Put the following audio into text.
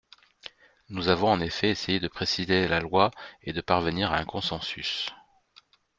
Nous avons en effet essayé de préciser la loi et de parvenir à un consensus.